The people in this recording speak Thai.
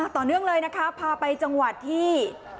ต่อเนื่องเลยนะคะพาไปจังหวัดที่